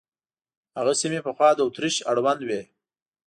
هغه سیمې پخوا د اتریش اړوند وې.